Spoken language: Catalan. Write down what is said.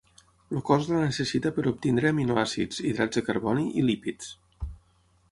El cos la necessita per obtenir aminoàcids, hidrats de carboni i lípids.